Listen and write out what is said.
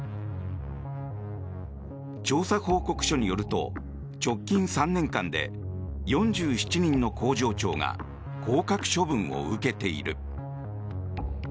調査報告書によると直近３年間で４７人の工場長が降格処分を受けている。